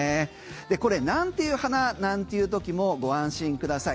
これなんていう花？なんて時もご安心ください。